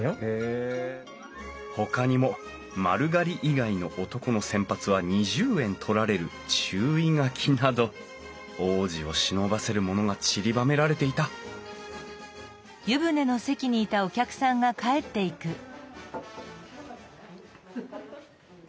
ほかにも丸刈り以外の男の洗髪は２０円取られる注意書きなど往事をしのばせるものがちりばめられていたハルさん。